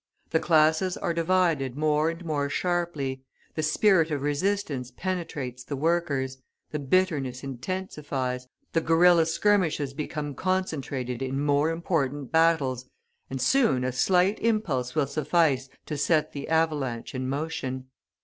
The classes are divided more and more sharply, the spirit of resistance penetrates the workers, the bitterness intensifies, the guerilla skirmishes become concentrated in more important battles, and soon a slight impulse will suffice to set the avalanche in motion.